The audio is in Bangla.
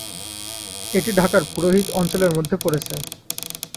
এটি ঢাকার পুরোহিত অঞ্চলের মধ্যে পড়েছে।